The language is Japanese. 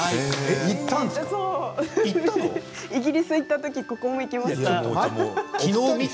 イギリス行ったときここに行きました。